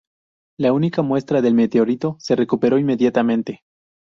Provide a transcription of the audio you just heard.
La única muestra del meteorito se recuperó inmediatamente.